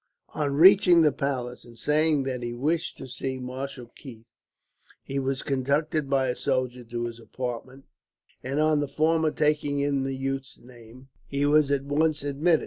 On reaching the palace, and saying that he wished to see Marshal Keith, he was conducted by a soldier to his apartment; and on the former taking in the youth's name, he was at once admitted.